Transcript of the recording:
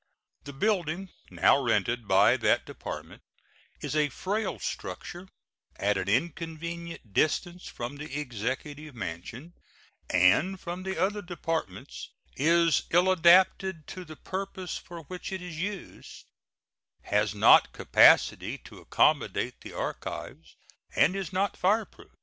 The building now rented by that Department is a frail structure, at an inconvenient distance from the Executive Mansion and from the other Departments, is ill adapted to the purpose for which it is used, has not capacity to accommodate the archives, and is not fireproof.